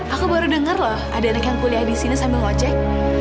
aku baru dengar loh ada yang kuliah di sini sambil ngecek